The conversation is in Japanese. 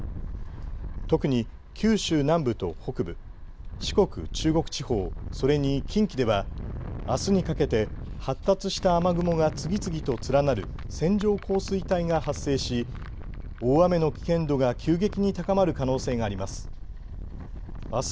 特に九州南部と北部、四国、中国地方、それに近畿ではあすにかけて発達した雨雲が次々と連なる線状降水帯が発生し大雨の危険度が急激に高まる可能性があります。